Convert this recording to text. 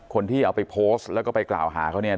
คนที่เอาไปโพสต์แล้วก็ไปกล่าวหาเขาเนี่ย